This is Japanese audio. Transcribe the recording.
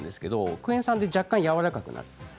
クエン酸で若干やわらかくなります。